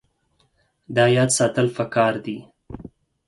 دا یاد ساتل پکار دي.